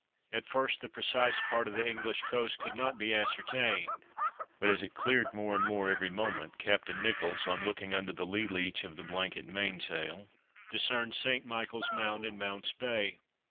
At first the precise part of the English coast could not be ascertained, but, as it cleared more and more every moment, Captain Nicholls, on looking under the lee leech of the blanket main sail, discerned St. Michael's Mount in Mount's Bay.